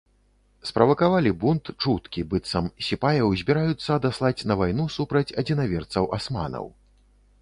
Справакавалі бунт чуткі, быццам сіпаяў збіраюцца адаслаць на вайну супраць адзінаверцаў-асманаў.